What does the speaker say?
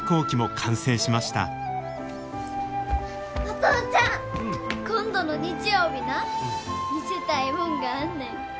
お父ちゃん！今度の日曜日な見せたいもんがあんねん。